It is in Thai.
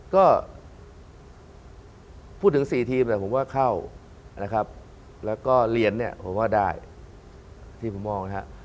ก็พูดถึง๔ทีมแต่ผมว่าเข้านะครับแล้วก็เรียนเนี่ยผมว่าได้ที่ผมมองนะครับ